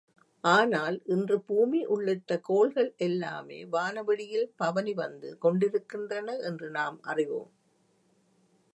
ஆனால், இன்று பூமி உள்ளிட்ட கோள்கள் எல்லாமே வானவெளியில் பவனி வந்து கொண்டிருக்கின்றன என்று நாம் ஆறிவோம்.